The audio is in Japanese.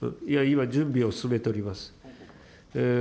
今、準備を進めております。